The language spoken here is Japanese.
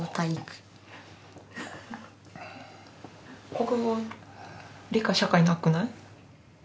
国語理科社会なくない？